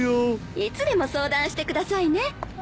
いつでも相談してくださいね。